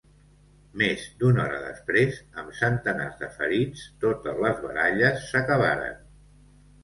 Més d'una hora després, amb centenars de ferits, totes les baralles s'acabaren.